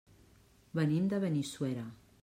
Venim de Benissuera.